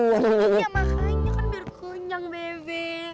iya makanya kan biar kenyang beb